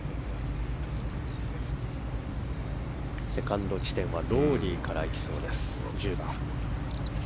セカンド地点はロウリーからいきそうです。